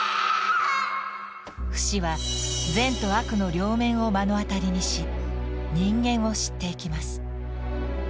フシは善と悪の両面を目の当たりにし人間を知っていきます。